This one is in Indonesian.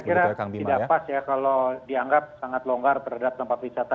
jadi saya kira tidak pas ya kalau dianggap sangat longgar terhadap tempat wisata